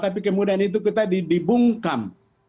tapi kemudian itu tadi dibungkam